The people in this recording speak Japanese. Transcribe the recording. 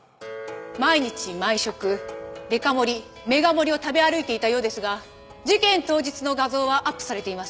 毎日毎食デカ盛りメガ盛りを食べ歩いていたようですが事件当日の画像はアップされていません。